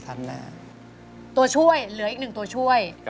ตัวช่วยเหลืออีกหนึ่งตัวช่วย